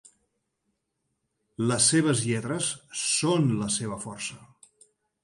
Les seves lletres són la seva força.